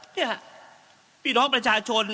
เนี่ยพี่น้องประชาชน